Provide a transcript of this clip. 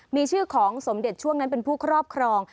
มีชื่อของสมเด็จช่วงนั้นเป็นผู้ครอบครอง